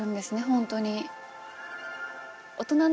ホントに。